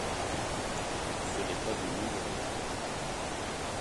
ce n'est pas une nouvelle.